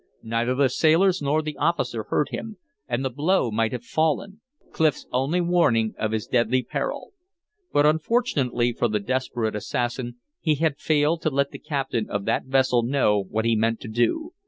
Neither the sailors nor the officer heard him. And the blow might have fallen; Clif's only warning of his deadly peril. But unfortunately for the desperate assassin, he had failed to let the captain of that vessel know what he meant to do.